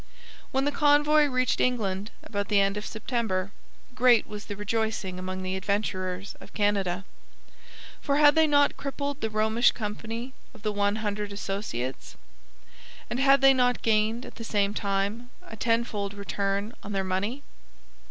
When the convoy reached England about the end of September, great was the rejoicing among the Adventurers of Canada. For had they not crippled the Romish Company of the One Hundred Associates? And had they not gained, at the same time, a tenfold return of their money?